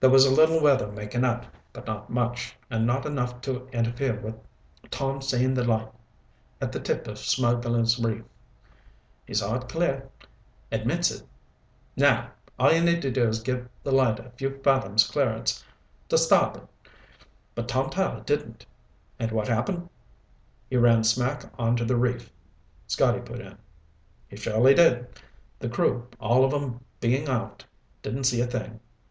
There was a little weather making up, but not much, and not enough to interfere with Tom seeing the light at the tip of Smugglers' Reef. He saw it clear. Admits it. Now! All you need do is give the light a few fathoms clearance to starboard. But Tom Tyler didn't. And what happened?" "He ran smack onto the reef," Scotty put in. "He surely did. The crew, all of 'em being aft, didn't see a thing.